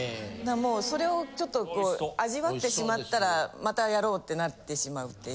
それをちょっと味わってしまったらまたやろうってなってしまうっていう。